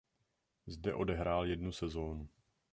Zde odehrál jednu sezonu.